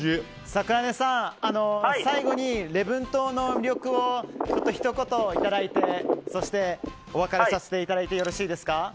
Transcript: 桜根さん、最後に礼文島の魅力をひと言いただいてお別れさせていただいてよろしいですか。